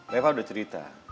reva udah cerita